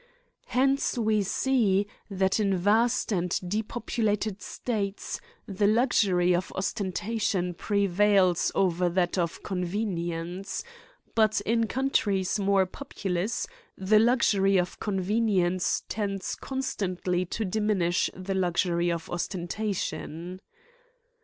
Hence we see, that, in vast and depopulated states, the luxu ry of ostentation prevails over that of convenience; 126 AN ESSAY ON but in countries more populous, the luxury of convenience tends constantly to diminish the lux ury of ostentation.